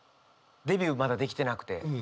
デビューまだできてなくて。